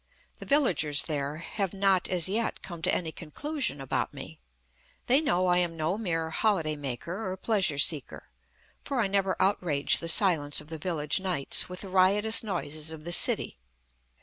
The villagers there have not, as yet, come to any conclusion about me. They know I am no mere holiday maker or pleasure seeker; for I never outrage the silence of the village nights with the riotous noises of the city.